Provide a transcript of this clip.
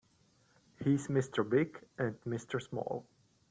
He's Mr. Big and Mr. Small.